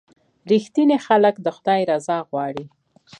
• رښتیني خلک د خدای رضا غواړي.